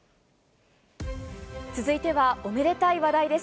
続いてはおめでたい話題です。